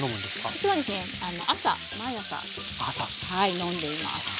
私はですね朝毎朝飲んでいます。